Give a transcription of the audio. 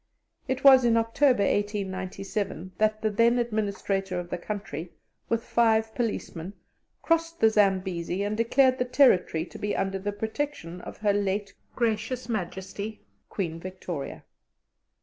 It was in October, 1897, that the then administrator of the country, with five policemen, crossed the Zambesi and declared the territory to be under the protection of Her Late Gracious Majesty, Queen Victoria.